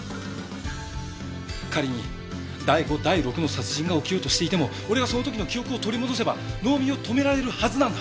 仮に第５第６の殺人が起きようとしていても俺がその時の記憶を取り戻せば能見を止められるはずなんだ！